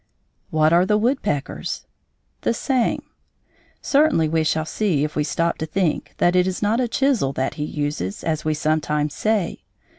What are the woodpecker's? The same. Certainly we shall see, if we stop to think, that it is not a chisel that he uses, as we sometimes say.